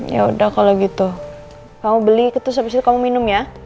yaudah kalau gitu kamu beli ketus abis itu kamu minum ya